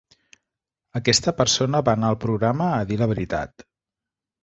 Aquesta persona va anar al programa a dir la veritat.